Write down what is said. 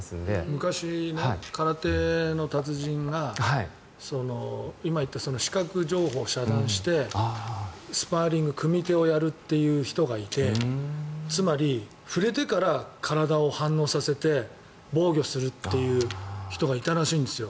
昔、空手の達人が今言った視覚情報を遮断してスパーリング、組手をやる人がいてつまり触れてから体を反応させて防御するという人がいたらしいんですよ。